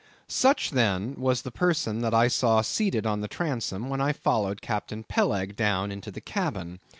Such, then, was the person that I saw seated on the transom when I followed Captain Peleg down into the cabin.